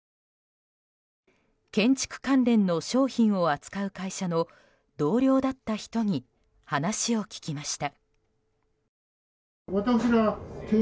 建築関連の商品を扱う会社の同僚だった人に話を聞きました。